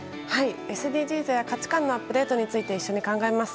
ＳＤＧｓや価値観のアップデートについて一緒に考えます。